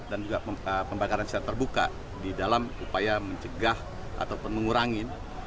dan juga pembakaran secara terbuka di dalam upaya mencegah atau mengurangi